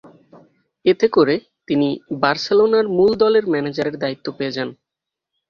এতে করে, তিনি বার্সেলোনার মূল দলের ম্যানেজারের দায়িত্ব পেয়ে যান।